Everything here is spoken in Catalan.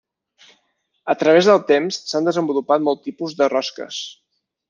A través del temps s'han desenvolupat molts tipus de rosques.